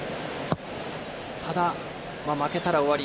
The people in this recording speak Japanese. ただ、負けたら終わり。